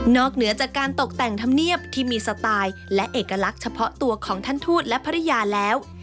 เหนือจากการตกแต่งธรรมเนียบที่มีสไตล์และเอกลักษณ์เฉพาะตัวของท่านทูตและภรรยาแล้ว